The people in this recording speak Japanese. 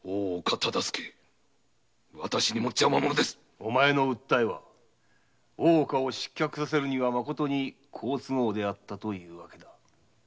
お前の訴えは大岡を失脚させるに好都合であったという訳だ。